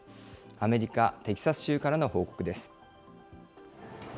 アメリカ・テキサス州からの報告